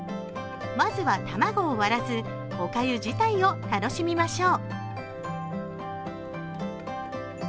まずは卵を割らずおかゆ自体を楽しみましょう。